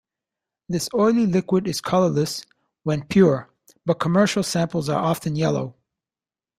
This oily liquid is colourless when pure, but commercial samples are often yellow.